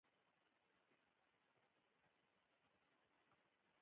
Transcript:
کابل هوايي ډګر پر لور ولاړو.